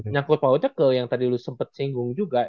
nyakul paucek ke yang tadi lu sempet singgung juga